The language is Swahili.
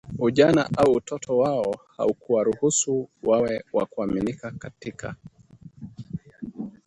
Ujana au utoto wao haukuwaruhusu wawe wa kuaminika katika